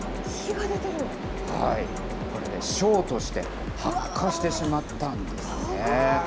ショートして、発火してしまったんですね。